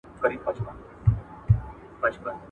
دواړي سترګي یې تړلي وې روان وو ..